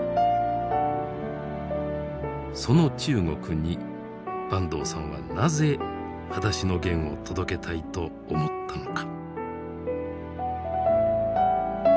その中国に坂東さんはなぜ「はだしのゲン」を届けたいと思ったのか。